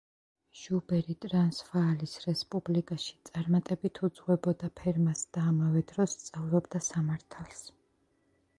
ჟუბერი ტრანსვაალის რესპუბლიკაში წარმატებით უძღვებოდა ფერმას და ამავე დროს სწავლობდა სამართალს.